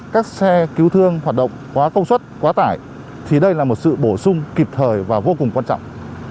các xe cứu thương hoạt động quá công suất quá tải thì đây là một sự bổ sung kịp thời và vô cùng quan trọng